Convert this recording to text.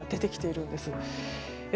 出てきているんですね。